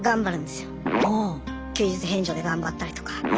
休日返上で頑張ったりとか。